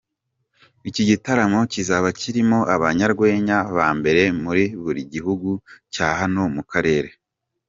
Iki gitaramo kizaba kirimo abanyarwenya ba mbere muri buri gihugu cya hano mu Karere.